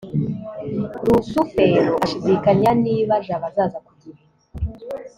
rusufero ashidikanya niba jabo azaza ku gihe